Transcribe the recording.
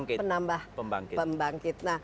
jadi energinya akan penambah pembangkit